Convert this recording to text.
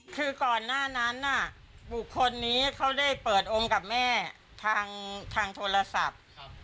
คือก่อนหน้านั้นบุคคลนี้เขาได้เปิดองค์กับแม่ทางโทรศัพท์